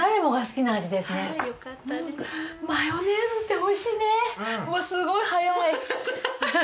おぉすごい早い。